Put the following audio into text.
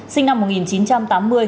sinh năm một nghìn chín trăm tám mươi một